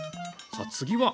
さあ次は？